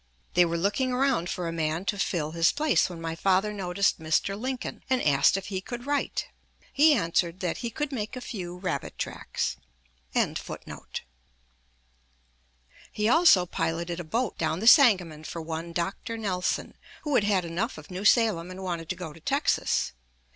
They were looking around for a man to fill his place when my father noticed Mr. Lincoln and asked if he could write. He answered that 'he could make a few rabbit tracks.'"] He also piloted a boat down the Sangamon for one Dr. Nelson, who had had enough of New Salem and wanted to go to Texas.